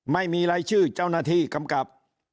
ไม่มีรายชื่อเจ้าหน้าที่กำกับ